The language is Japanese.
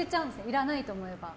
いらないと思えば。